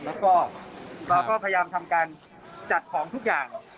แล้วก็เราก็พยายามทำการจัดของทุกอย่าง